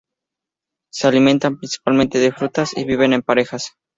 Se alimentan principalmente de frutas y viven en parejas.